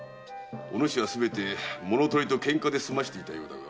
お主はすべて物盗りと喧嘩で済ませていたようだが。